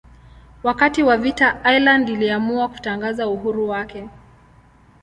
Wakati wa vita Iceland iliamua kutangaza uhuru wake.